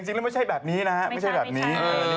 จริงแล้วไม่ใช่แบบนี้นะฮะไม่ใช่แบบนี้